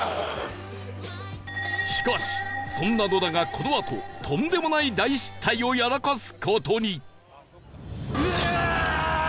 しかしそんな野田がこのあととんでもない大失態をやらかす事に